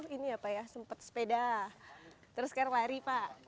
ini apa ya sempat sepeda terus sekarang lari pak